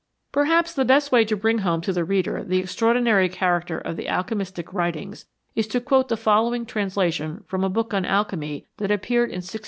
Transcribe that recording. Perhaps the best way to bring home to the reader the extraordinary character of the alchemistic writings is to quote the following translation from a book on alchemy that appeared in 1608.